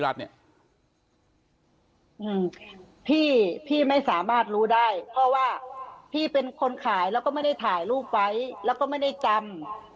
แล้วก็ไม่ได้จำ